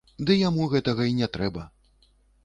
Ды яму гэтага й не трэба.